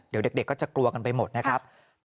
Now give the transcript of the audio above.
เดี๋ยวเด็กก็จะกลัวกันไปหมดนะครับ